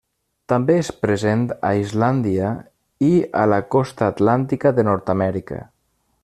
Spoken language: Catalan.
També és present a Islàndia i a la costa atlàntica de Nord-amèrica.